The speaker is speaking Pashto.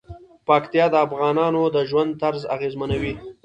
پکتیا د افغانانو د ژوند طرز اغېزمنوي.